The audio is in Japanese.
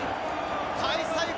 開催国